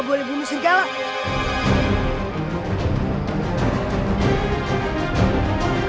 kampung kita segera aman